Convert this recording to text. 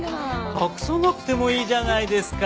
隠さなくてもいいじゃないですか！